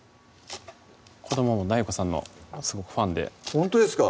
子どももＤＡＩＧＯさんのすごくファンでほんとですか？